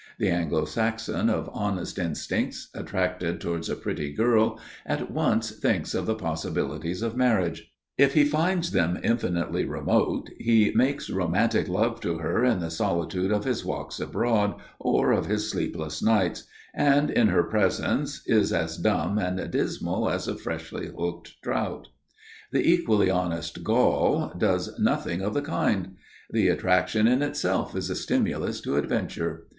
The Anglo Saxon of honest instincts, attracted towards a pretty girl at once thinks of the possibilities of marriage; if he finds them infinitely remote, he makes romantic love to her in the solitude of his walks abroad or of his sleepless nights, and, in her presence, is as dumb and dismal as a freshly hooked trout. The equally honest Gaul does nothing of the kind. The attraction in itself is a stimulus to adventure.